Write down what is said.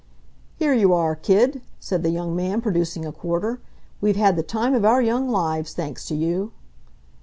"Here you are, kid," said the young man, producing a quarter. "We've had the time of our young lives, thanks to you."